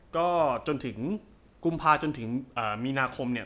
ก็จนถึงกุมภาจนถึงมีนาคมเนี่ย